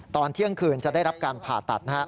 ตอนเที่ยงคืนจะได้รับการผ่าตัด